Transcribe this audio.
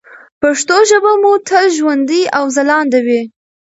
پښتو ژبه مو تل ژوندۍ او ځلانده وي.